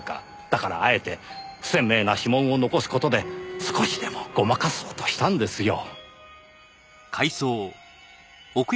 だからあえて不鮮明な指紋を残す事で少しでもごまかそうとしたんですよ。